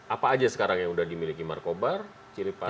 apa aja sekarang yang udah dimiliki marco bar cili pari